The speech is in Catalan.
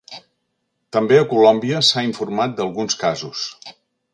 També a Colòmbia s'ha informat d'alguns casos.